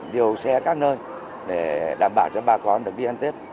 điều xe các nơi để đảm bảo cho bà con được đi ăn tết